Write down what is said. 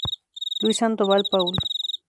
Luis Sandoval Paul.